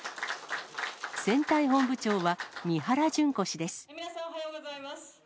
選対本部長は、三原じゅん子氏です。